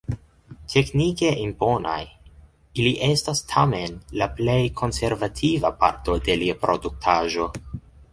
Teknike imponaj, ili estas tamen la plej konservativa parto de lia produktaĵo.